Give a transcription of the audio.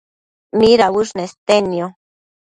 midauësh nestednio?